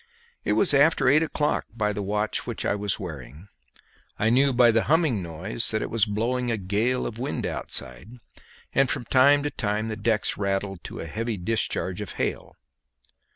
It was after eight o'clock by the watch I was wearing. I knew by the humming noise that it was blowing a gale of wind outside, and from time to time the decks rattled to a heavy discharge of hail.